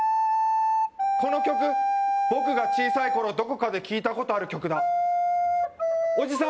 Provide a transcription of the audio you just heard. この曲僕が小さい頃どこかで聞いたことある曲だおじさん